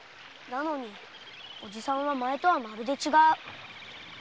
なのにおじさんは前とはまるで違う。